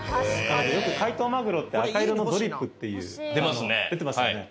よく解凍マグロって赤色のドリップっていう出ますね出てますよね